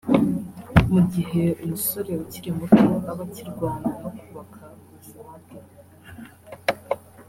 Mu gihe umusore ukiri muto aba akirwana no kubaka ubuzima bwe